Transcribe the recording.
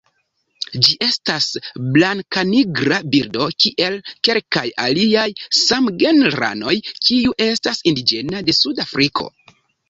Ĝi estas blankanigra birdo kiel kelkaj aliaj samgenranoj kiu estas indiĝena de Suda Afriko.